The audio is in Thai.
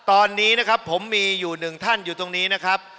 ตอนนี้นะครับผมมีอยู่หนึ่งท่านอยู่ตรงนี้นะครับ